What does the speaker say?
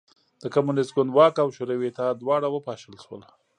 د کمونېست ګوند واک او شوروي اتحاد دواړه وپاشل شول